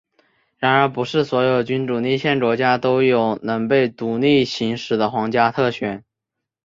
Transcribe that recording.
然而不是所有君主立宪国家都有能被独立行使的皇家特权。